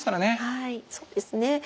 はいそうですね。